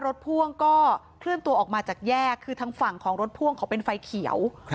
พ่วงก็เคลื่อนตัวออกมาจากแยกคือทางฝั่งของรถพ่วงเขาเป็นไฟเขียว